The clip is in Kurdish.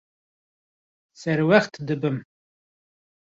Serwext dibim.